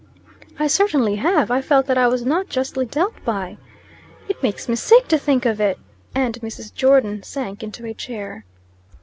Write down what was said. "I certainly have. I felt that I was not justly dealt by." "It makes me sick to think of it." And Mrs. Jordon sank into a chair.